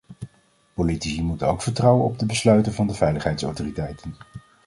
Politici moeten ook vertrouwen op de besluiten van de veiligheidsautoriteiten.